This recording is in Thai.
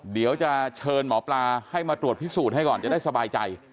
เดี๋ยวจะเชิญหมอปลาให้มาตรวจพิสูจน์ให้ก่อนจะได้สบายใจ